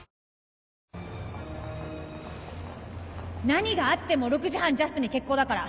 何があっても６時半ジャストに決行だから